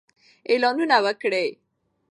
اعلانونه وکړئ.